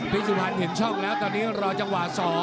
สุพรรณเห็นช่องแล้วตอนนี้รอจังหวะ๒